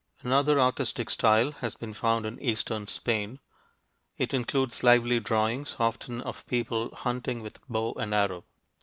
Another artistic style has been found in eastern Spain. It includes lively drawings, often of people hunting with bow and arrow.